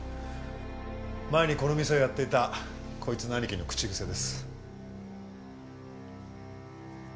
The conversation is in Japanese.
前にこの店をやっていたこいつの兄貴の口癖です。